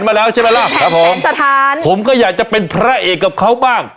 มาแล้วใช่มั้ยผมก็อยากจะเป็นพระเอกกับเขาบ้าง